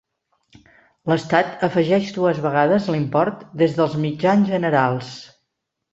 L'estat afegeix dues vegades l'import des dels mitjans generals.